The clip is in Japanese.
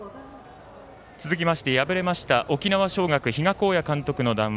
続きまして敗れました沖縄尚学、比嘉公也監督の談話